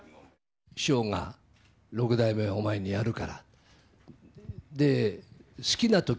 師匠が六代目をお前にやるからと。